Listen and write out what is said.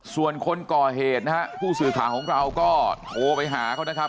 ส่วนคนก่อเหตุนะฮะผู้สื่อข่าวของเราก็โทรไปหาเขานะครับ